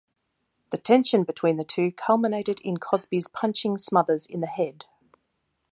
The tension between the two culminated in Cosby's punching Smothers in the head.